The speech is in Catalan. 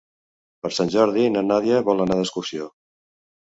Per Sant Jordi na Nàdia vol anar d'excursió.